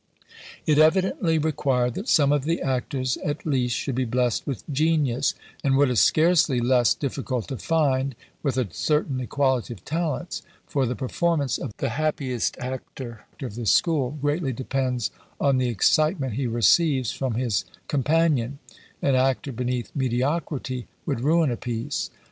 It evidently required that some of the actors at least should be blessed with genius, and what is scarcely less difficult to find, with a certain equality of talents; for the performance of the happiest actor of this school greatly depends on the excitement he receives from his companion; an actor beneath mediocrity would ruin a piece.